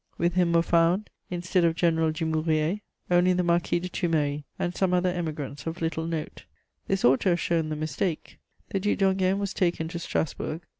With him were found, instead of General Dumouriez, only the Marquis de Thumery and some other Emigrants of little note: this ought to have shown the mistake. The Duc d'Enghien was taken to Strasburg.